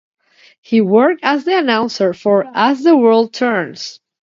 He worked as the announcer for "As the World Turns".